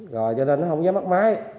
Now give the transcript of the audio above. rồi cho nên nó không dám bắt máy